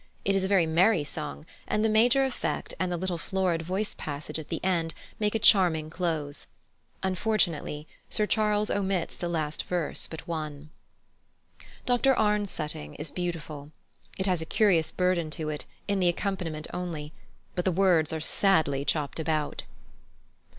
It is a very merry song, and the major effect and the little florid voice passage at the end make a charming close. Unfortunately, Sir Charles omits the last verse but one. +Dr Arne's+ setting is beautiful. It has a curious burden to it, in the accompaniment only; but the words are sadly chopped about.